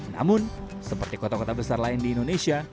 namun seperti kota kota besar lain di indonesia